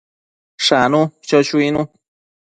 Shanu, cho chuinu